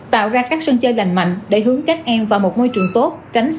tạo ra các sân chơi lành mạnh để hướng các em vào một môi trường tốt tránh xa tệ nạn xã hội